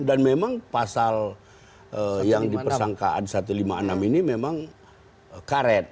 dan memang pasal yang dipersangkaan satu ratus lima puluh enam ini memang karet